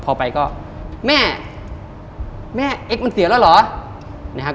พอไปก็แม่แม่เอ็กซมันเสียแล้วเหรอนะครับ